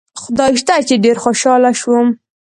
خدای شته چې ډېر خوشاله شوم.